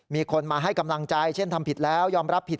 มีคนมาให้กำลังใจเช่นทำผิดแล้วยอมรับผิด